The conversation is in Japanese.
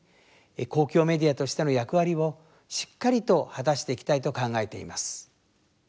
公共メディアとしての役割をしっかりと果たしていきたいと考えています。